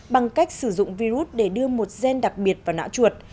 bằng cách sử dụng virus để đưa một gen đặc biệt vào não chuột